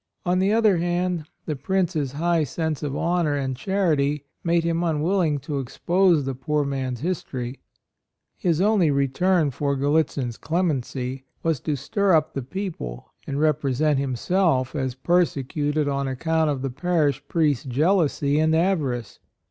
On the other hand, the Prince's high sense of honor and charity made him unwilling to expose the poor man's history. His only return for Gallitzin's clemency was to stir up the AND MOTHER. 99 people, and represent himself as persecuted on account of the parish priest's jealousy and avarice.